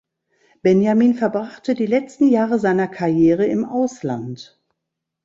Benjamin verbrachte die letzten Jahre seiner Karriere im Ausland.